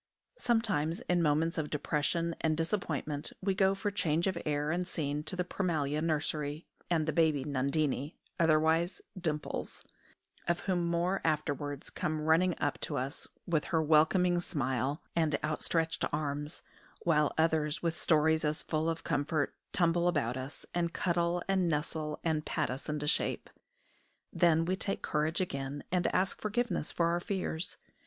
Sometimes in moments of depression and disappointment we go for change of air and scene to the Prémalia nursery; and the baby Nundinie, otherwise Dimples, of whom more afterwards, comes running up to us with her welcoming smile and outstretched arms; while others, with stories as full of comfort, tumble about us, and cuddle, and nestle, and pat us into shape. Then we take courage again, and ask forgiveness for our fears.